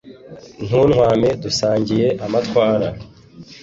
Ntuntwame dusangiye amatwara